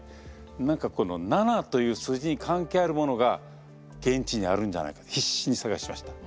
何かこの「七」という数字に関係あるものが現地にあるんじゃないかと必死に探しました。